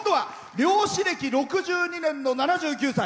漁師歴６２年の７９歳。